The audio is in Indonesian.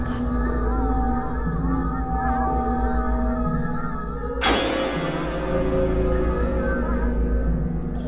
gua coba bantu enggak